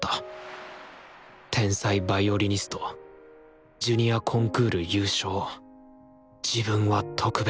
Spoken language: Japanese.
「天才ヴァイオリニスト」「ジュニアコンクール優勝」「自分は特別」